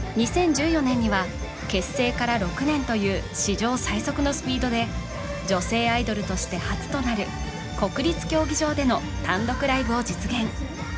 ２０１４年には結成から６年という史上最速のスピードで女性アイドルとして初となる国立競技場での単独ライブを実現